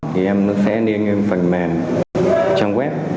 thì em sẽ lên phần mềm trang web